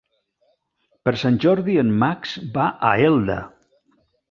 Per Sant Jordi en Max va a Elda.